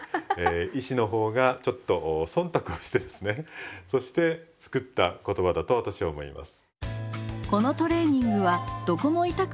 医師の方がちょっとそんたくをしてですねそして作った言葉だと私は思います。